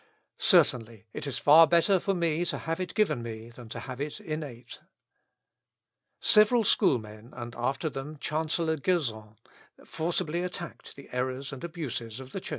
Certainly, it is far better for me to have it given me, than to have it innate." Several schoolmen, and after them chancellor Gerson, forcibly attack the errors and abuses of the Church.